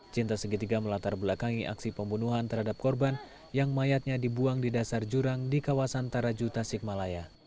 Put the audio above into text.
cinta segitiga melatar belakangi aksi pembunuhan terhadap korban yang mayatnya dibuang di dasar jurang di kawasan tarajuta sikmalaya